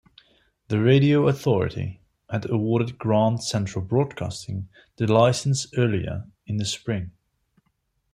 The Radio Authority had awarded Grand Central Broadcasting the licence earlier in the spring.